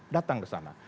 datang ke sana